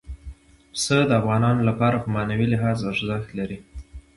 پسه د افغانانو لپاره په معنوي لحاظ ارزښت لري.